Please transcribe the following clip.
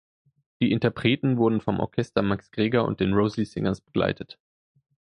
Die Interpreten wurden vom Orchester Max Greger und den Rosy-Singers begleitet.